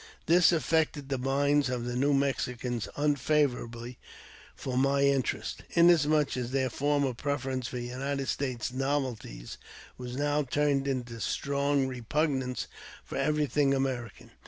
This affected the minds of the New Mexicans unfavourably for my interest, inasmuch as their former preference for United States novelties was now turned into strong repug nance for everything American.